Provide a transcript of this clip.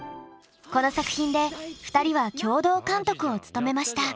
この作品で２人は共同監督を務めました。